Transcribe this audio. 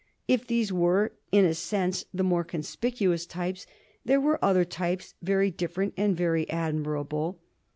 If these were, in a sense, the more conspicuous types, there were other types very different and very admirable.